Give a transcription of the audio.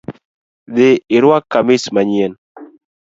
Dhi iruak kamis manyien